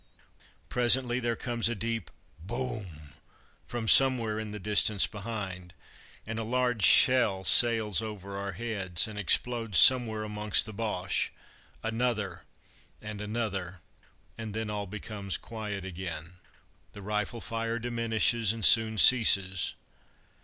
Presently there comes a deep "boom" from somewhere in the distance behind, and a large shell sails over our heads and explodes somewhere amongst the Boches; another and another, and then all becomes quiet again. The rifle fire diminishes and soon ceases.